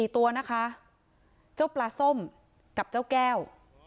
ตัวนะคะเจ้าปลาส้มกับเจ้าแก้ว